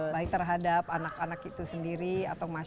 baik terhadap anak anak itu sendiri atau masyarakat